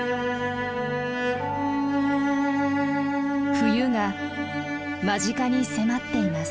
冬が間近に迫っています。